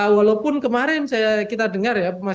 walaupun kemarin kita dengar ya